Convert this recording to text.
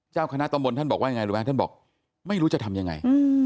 เจ้าคณะตำบลท่านบอกว่ายังไงรู้ไหมท่านบอกไม่รู้จะทำยังไง